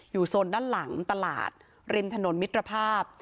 อยู่ส่วนด้านหลังตลาดริมถนนมิตรภาพ